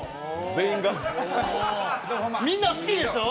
みんな好きでしょ！？